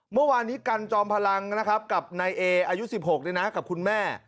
เมื่อวานนี้กันจอมพลังนะครับกับนายเออายุ๑๖กับคุณแม่